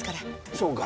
そうか。